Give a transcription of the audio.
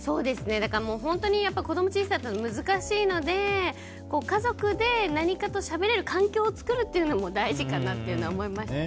本当に子供が小さいころは難しいので家族で何かとしゃべれる環境を作るのも大事かなというのは思いました。